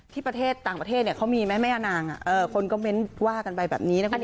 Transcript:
ที่ประเทศต่างประเทศเขามีไหมแม่นางคนก็เน้นว่ากันไปแบบนี้นะคุณผู้ชม